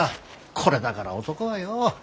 これだから男はよお！